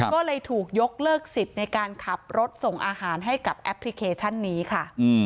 ก็เลยถูกยกเลิกสิทธิ์ในการขับรถส่งอาหารให้กับแอปพลิเคชันนี้ค่ะ